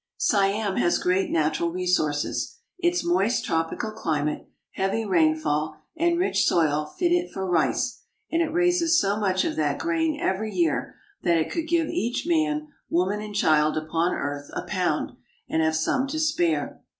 Siam has great natural resources. Its moist tropical climate, heavy rainfall, and rich soil fit it for rice, and it raises so much of that grain every year that it could give each man, woman, and child upon earth a pound, and have some to spare.